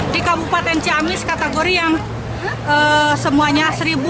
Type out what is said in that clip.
di kabupaten ciamis kategori yang semuanya seribu satu ratus tiga puluh enam